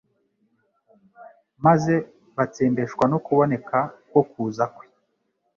maze « batsembeshwe no kuboneka ko kuza kwe»